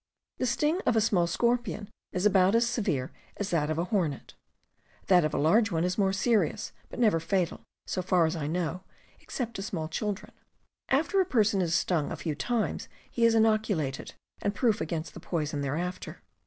The sting of a small scorpion is about as severe as that of a hornet; that of a large one is more serious, but never fatal, so far as I know, except to small children. After a person is stung a few times he is inoculated, and proof against the poison thereafter.